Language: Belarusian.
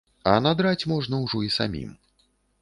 А надраць можна ўжо і самім.